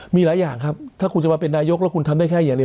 มีหลายอย่างครับถ้าคุณจะมาเป็นนายกแล้วคุณทำได้แค่อย่าลืม